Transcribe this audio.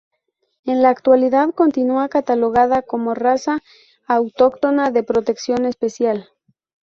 En la actualidad continúa catalogada como raza autóctona de protección especial.